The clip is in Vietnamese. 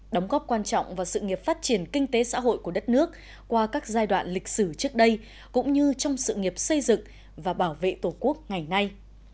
đóng góp quan trọng vào sự nghiệp phát triển kinh tế xã hội của đất nước qua các giai đoạn lịch sử trước đây cũng như trong sự nghiệp xây dựng và bảo vệ tổ quốc ngày nay